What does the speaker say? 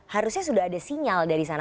harusnya sudah ada sinyal dari sana